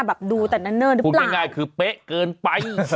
แบบดูแต่นั่นเนิ่นหรือเปล่าคุณเป็นไงคือเป๊ะเกินไป